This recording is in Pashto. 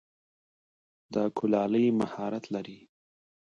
د کلالۍ مهارت لری؟